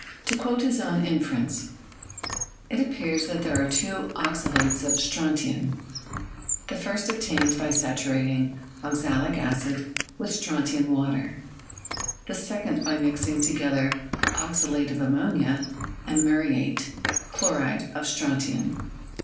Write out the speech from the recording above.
To quote his own inference: "It appears that there are two oxalates of strontian, the first obtained by saturating oxalic acid with strontian water, the second by mixing together oxalate of ammonia and muriate [chloride] of strontian.